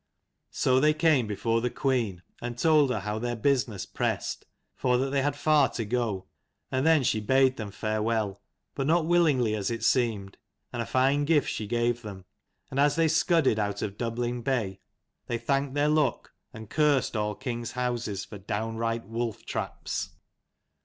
So they came before the queen and told her how their business pressed, for that they had far to go : and then she bade them farewell, but not willingly as it seemed ; and a fine gift she gave them. And as they scudded out of Dublin Bay, they thanked their luck, and cursed all kings' houses for downright wolf traps.